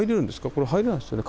これ入れないですよね。